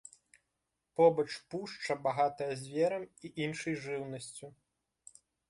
Побач пушча багатая зверам і іншай жыўнасцю.